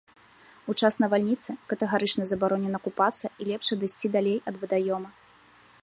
У час навальніцы катэгарычна забаронена купацца і лепш адысці далей ад вадаёма.